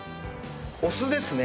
お酢ですね。